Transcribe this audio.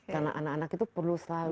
karena anak anak itu perlu selalu